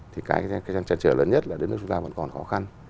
thì cái chăn trở lớn nhất là đất nước chúng ta vẫn còn khó khăn